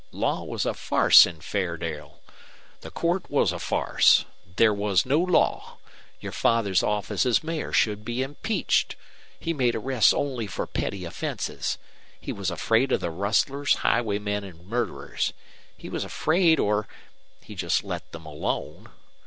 Law was a farce in Fairdale. The court was a farce. There was no law. Your father's office as mayor should be impeached. He made arrests only for petty offenses. He was afraid of the rustlers, highwaymen, murderers. He was afraid or he just let them alone.